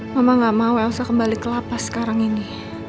mama gak mau elsa kembali kelapa sekarang ini